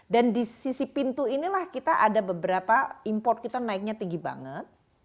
dan di sisi pintu inilah kita ada beberapa import kita naiknya tinggi banget